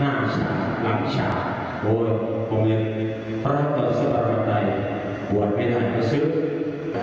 หน้าฉากลางฉากโหผมยังพระอาจารย์สิภาราณใดหัวไม่ทันเข้าซึ้บ